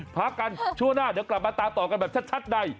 พักกันช่วงหน้าเดี๋ยวกลับมาตามต่อกันแบบชัดใน